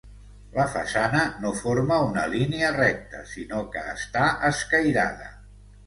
La façana no forma una línia recta, sinó que està escairada.